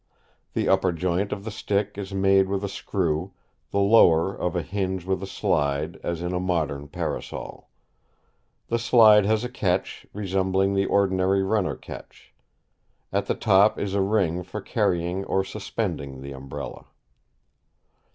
The upper joint of the stick is made with a screw, the lower of a hinge with a slide, as in a modern parasol. The slide has a catch, resembling the ordinary runner catch. At the top is a ring for carrying or suspending the umbrella."